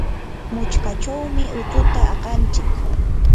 muchkachawmi utsuta aqanchik.